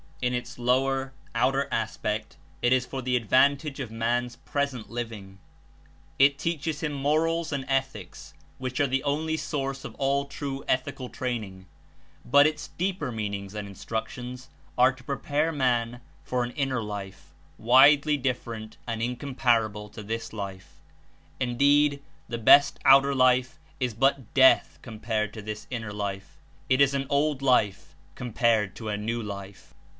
In Its lower, outer aspect. It Is for the advantage of man's present living; It teaches him morals and eth ics which are the only source of all true ethical train ing, but Its deeper meanings and Instructions are to prepare man for an Inner life, widely different and Incomparable to this hfe. Indeed, the best outer life Is but death compared to this Inner life; It Is an old life compared to a new life.